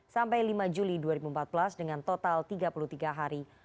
sampai lima juli dua ribu empat belas dengan total tiga puluh tiga hari